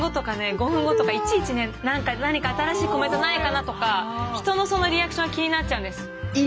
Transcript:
５分後とかいちいちね何か新しいコメントないかなとか人のそのリアクションが気になっちゃうんです。